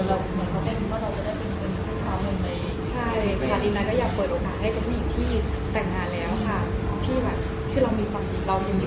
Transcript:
เหมือนเขาเป็นว่าเราจะได้เป็นเชิญคำตอบเหมือนใน